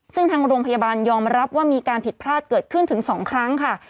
ซึ่งทางโรงพยาบาลยอมรับว่ามีการผิดพลาดเกิดขึ้นถึง๒ครั้งค่ะ